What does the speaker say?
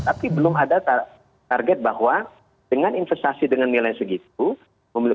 tapi belum ada target bahwa dengan investasi dengan nilai segitu menciptakan lapangan pekerjaan